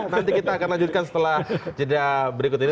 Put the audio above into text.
nanti kita akan lanjutkan setelah jeda berikut ini